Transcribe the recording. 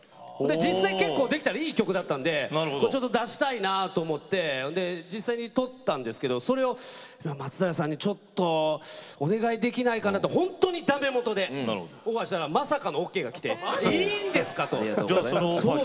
実際、結構できたらいい曲だったんで出したいなと思って実際に撮ったんですけどちょっとお願いできないかなと本当に、だめもとでオファーしたら、まさかのオーケーが出ていいんですかと。